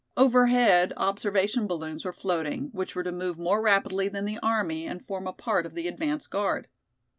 Overhead observation balloons were floating, which were to move more rapidly than the army and form a part of the advance guard.